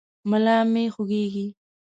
ملا مې خوږېږي.